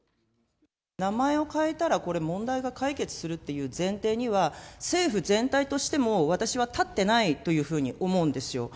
名前を変えたらこれ、問題が解決するっていう前提には、政府全体としても、私は立ってないというふうに思うんですよ。